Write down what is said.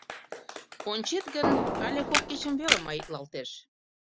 Ончет гын, але кок кечым веле маитлалтеш.